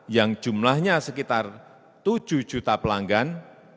yang jumlahnya sekitar tujuh juta pelanggan